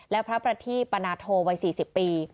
และพระประทีปนาโทวัย๔๐ปี